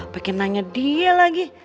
pake nanya dia lagi